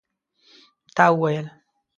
تا وویل?